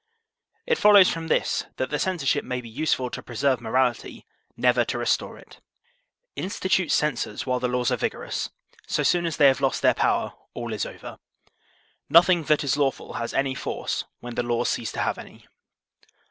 It follows from this that the censorship may be useful to preserve morality, never to restore it. Institute cen sors while the laws are vigorous; so soon as they have lost their power all is over. Nothing that is lawful has any force when the laws cease to have any.